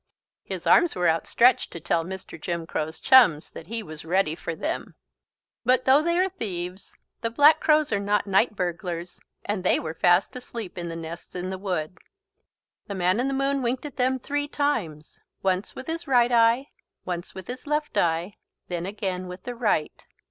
His arms were outstretched to tell Mr. Jim Crow's chums that he was ready for them. But though they are thieves, the Black Crows are not night burglars and they were fast asleep in the nests in the wood. The Man in the Moon winked at them three times, once with his right eye, once with his left eye, then again with the right.